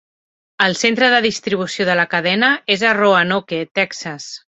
El centre de distribució de la cadena és a Roanoke, Texas.